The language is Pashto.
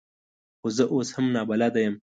خو زه اوس هم نابلده یم .